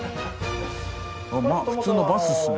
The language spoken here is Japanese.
まあ普通のバスっすね。